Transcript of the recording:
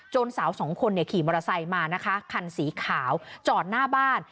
สาวสองคนเนี่ยขี่มอเตอร์ไซค์มานะคะคันสีขาวจอดหน้าบ้าน